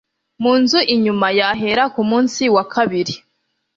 mu nzu inyuma y ahera ku munsi wa kabiri